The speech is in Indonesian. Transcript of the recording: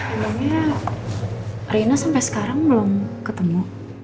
emangnya rina sampai sekarang belum ketemu